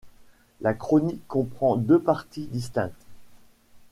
La chronique comprend deux parties distinctes.